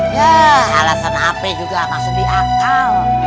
ya alasan ap juga masuk di akal